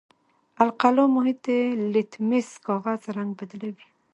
القلي محیط د لتمس کاغذ رنګ بدلوي.